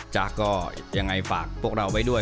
จากก็ยังไงฝากพวกเราไว้ด้วย